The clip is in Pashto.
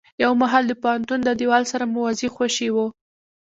يو مهال د پوهنتون د دېوال سره موازي خوشې و.